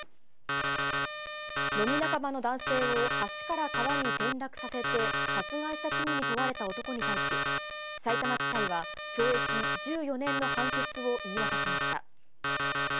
飲み仲間の男性を橋から川に転落させて殺害した罪に問われた男に対し、さいたま地裁は、懲役１４年の判決を言い渡しました。